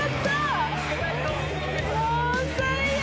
もう最悪。